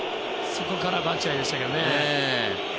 そこからバチュアイでしたけどね。